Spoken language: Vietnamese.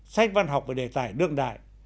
sách văn học về đề tài đương đại